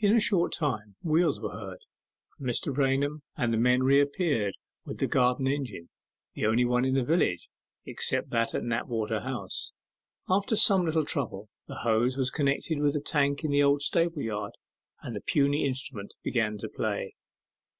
In a short time wheels were heard, and Mr. Raunham and the men reappeared, with the garden engine, the only one in the village, except that at Knapwater House. After some little trouble the hose was connected with a tank in the old stable yard, and the puny instrument began to play.